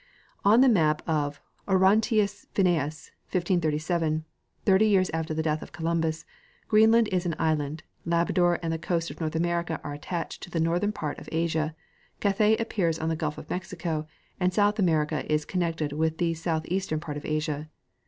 * On the map of Orontius Finreus, 1537, thirty years after the death of Columbus, Greenland is an island, Labrador and the coast of North America are attached to the northern part of Asia, Cathay appears on the gulf of Mexico, and South America is connected with the southeastern part of Asia.